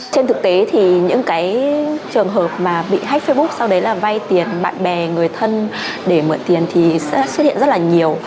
trên thực tế thì những cái trường hợp mà bị hách facebook sau đấy là vay tiền bạn bè người thân để mượn tiền thì sẽ xuất hiện rất là nhiều